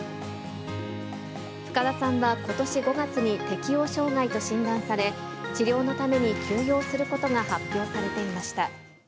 深田さんはことし５月に適応障害と診断され、治療のために休養することが発表されていました。